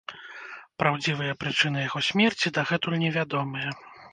Праўдзівыя прычыны яго смерці дагэтуль невядомыя.